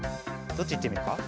どっちいってみようか？